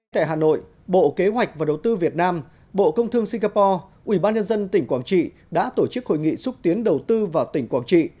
tại hà nội bộ kế hoạch và đầu tư việt nam bộ công thương singapore ubnd tỉnh quảng trị đã tổ chức hội nghị xúc tiến đầu tư vào tỉnh quảng trị